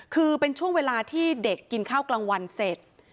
คือเป็นช่วงเวลาที่เด็กกินข้าวกลางวันเสร็จ